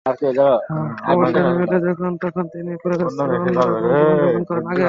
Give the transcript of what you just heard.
অবসর মেলে যখন তখন তিনি পুরোদস্তুর অন্য রকম জীবন যাপন করেন।